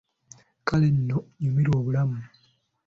Kale nno, nyumirwa obulamu!